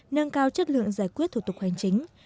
nâng cao chất lượng giải quyết thủ tục hành chính